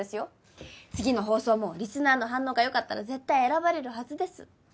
次の放送もリスナーの反応が良かったら絶対選ばれるはずです。